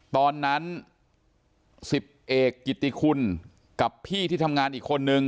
ตอนนั้น๑๐เอกกิติคุณกับพี่ที่ทำงานอีกคนนึง